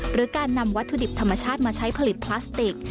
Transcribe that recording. หรือการนำวัตถุดิบธรรมชาติมาใช้ผลิตพลาสติก